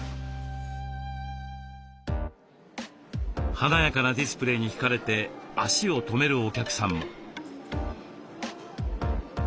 華やかなディスプレーに引かれて足を止めるお客さんも。